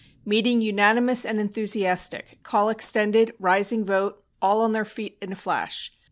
"Meeting unanimous and enthusiastic. Call extended, rising vote, all on their feet in a flash.